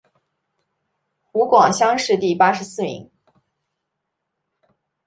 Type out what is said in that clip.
湖广乡试第八十四名。